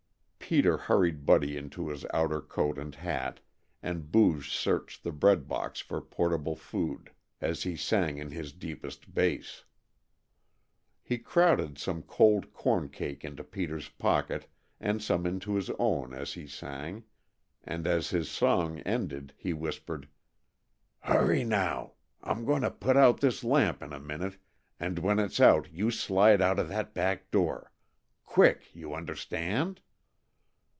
Peter hurried Buddy into his outer coat and hat, and Booge searched the breadbox for portable food, as he sang in his deepest bass. He crowded some cold corn cake into Peter's pocket, and some into his own as he sang, and as his song ended he whispered: "Hurry now! I'm goin' to put out this lamp in a minute, and when it's out you slide out of that back door quick, you understand?"